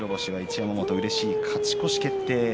山本うれしい勝ち越し決定。